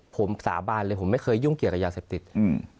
ผมสาบานเลยผมไม่เคยยุ่งเกี่ยวกับยาเสพติดอืม